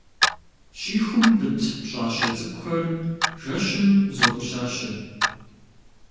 Щихум пыт пщӏащэ цӏыкӏухэр жэщым зоӏущащэ.